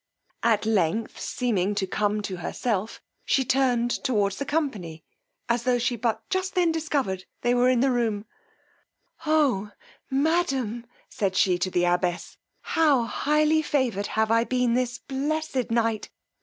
At length seeming; to come to herself, she turned towards the company, as tho' she but just then discovered they were in the room; Oh, madam, said she to the abbess, how highly favoured have I been this blessed night!